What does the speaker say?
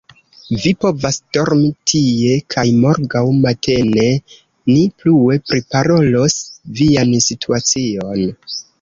Vi povas dormi tie, kaj morgaŭ matene ni plue priparolos vian situacion.